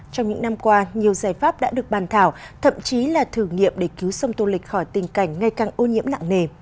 trong những năm qua nhiều giải pháp đã được bàn thảo thậm chí là thử nghiệm để cứu sông tô lịch khỏi tình cảnh ngay càng ô nhiễm lạng nề